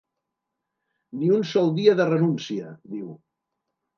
“Ni un sol dia de renúncia”, diu.